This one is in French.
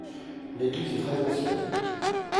L'église est très ancienne.